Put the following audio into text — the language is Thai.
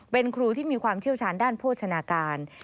เป็นครูที่มีความเชี่ยวชาญด้านโภชนาการ